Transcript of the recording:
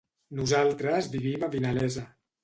Nosaltres vivim a Vinalesa.